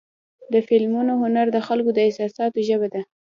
د فلمونو هنر د خلکو د احساساتو ژبه ده.